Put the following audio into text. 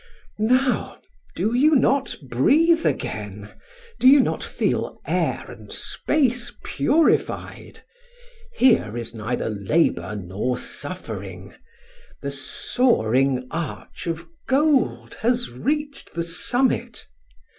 Now, do you not breathe again? Do you not feel air and space purified? Here is neither labor nor suffering. The soaring arch of gold has reached the summit.